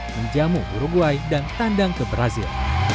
menjamu uruguay dan tandang ke brazil